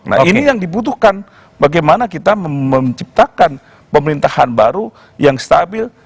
nah ini yang dibutuhkan bagaimana kita menciptakan pemerintahan baru yang stabil